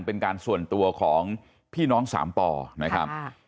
เป็นการส่วนตัวของพี่น้องสามป่อนะครับ